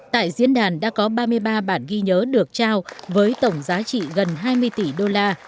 tại diễn đàn đã có ba mươi ba bản ghi nhớ được trao với tổng giá trị gần hai mươi tỷ đô la